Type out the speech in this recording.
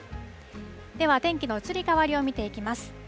では、天気の移り変わりを見ていきます。